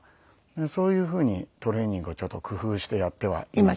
そういうふうにトレーニングをちょっと工夫してやってはいますね。